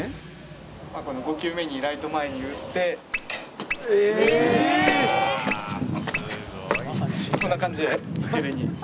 ５球目にライト前に打ってこんな感じで一塁に。